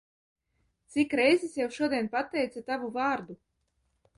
Cik reizes jau šodien pateica tavu vārdu?